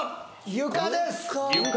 床です床？